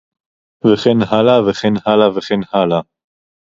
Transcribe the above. וכן הלאה וכן הלאה וכן הלאה